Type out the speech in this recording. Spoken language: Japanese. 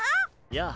やあ。